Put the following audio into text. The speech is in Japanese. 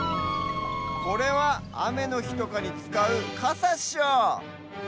これはあめのひとかにつかうカサっしょ！